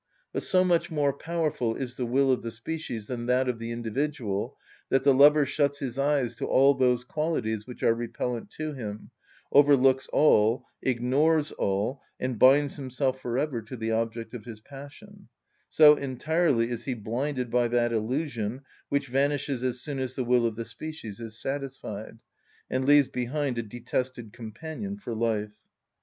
But so much more powerful is the will of the species than that of the individual that the lover shuts his eyes to all those qualities which are repellent to him, overlooks all, ignores all, and binds himself for ever to the object of his passion—so entirely is he blinded by that illusion, which vanishes as soon as the will of the species is satisfied, and leaves behind a detested companion for life.